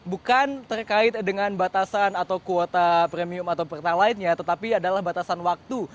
bukan terkait dengan batasan atau kuota premium atau pertalite nya tetapi adalah batasan waktu